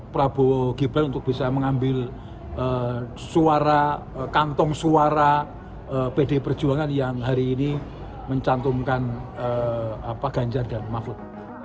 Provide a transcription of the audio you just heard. prabowo gibran untuk bisa mengambil suara kantong suara pdi perjuangan yang hari ini mencantumkan ganjar dan mahfud